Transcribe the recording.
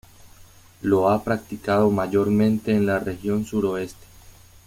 Lo ha practicado mayormente en la región suroeste.